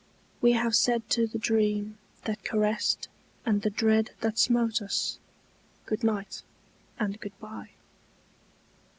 We have said to the dream that caressed and the dread that smote us Goodnight and goodbye.